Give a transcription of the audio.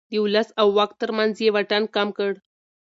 د ولس او واک ترمنځ يې واټن کم کړ.